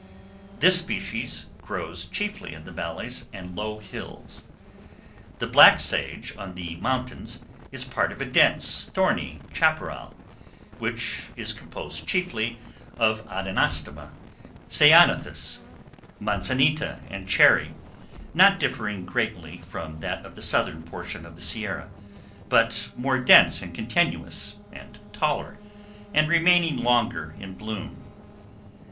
This species grows chiefly in the valleys and low hills. The Black Sage on the mountains is part of a dense, thorny chaparral, which is composed chiefly of adenostoma, ceanothus, manzanita, and cherry—not differing greatly from that of the southern portion of the Sierra, but more dense and continuous, and taller, and remaining longer in bloom.